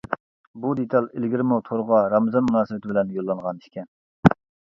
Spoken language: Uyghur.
بۇ دېتال ئىلگىرىمۇ تورغا رامىزان مۇناسىۋىتى بىلەن يوللانغان ئىكەن.